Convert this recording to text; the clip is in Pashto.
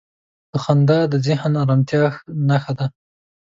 • خندا د ذهن د آرامتیا نښه ده.